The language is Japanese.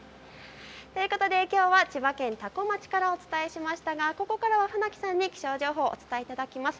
きょうは千葉県多古町からお伝えしましたがここからは船木さんに気象情報を伝えていただきます。